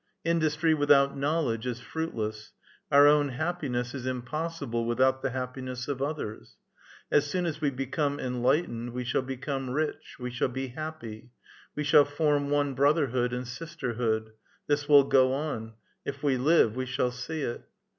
*' Industry without knowledge is fruitless ; our own happi ness is impossible without the happiness of others. As soon as we become enlightened we shall become rich ; we shall be happy ; we shall form one brotherhood and sisterhood ; this will go on ; if we live, we shall see it.